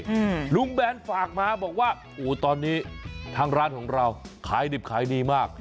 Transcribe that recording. อืมลุงแบนฝากมาบอกว่าโอ้ตอนนี้ทางร้านของเราขายดิบขายดีมาก